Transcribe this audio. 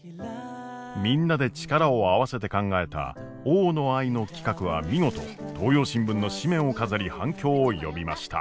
みんなで力を合わせて考えた大野愛の企画は見事東洋新聞の紙面を飾り反響を呼びました。